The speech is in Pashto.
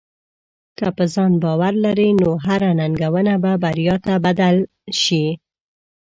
که په ځان باور لرې، نو هره ننګونه به بریا ته بدل شې.